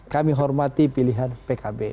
kami hormati pilihan pkb